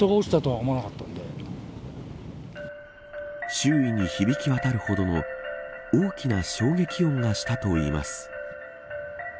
周囲に響き渡るほどの大きな衝撃音がしたといいます。